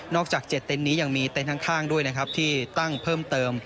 จาก๗เต็นต์นี้ยังมีเต็นต์ข้างด้วยนะครับที่ตั้งเพิ่มเติม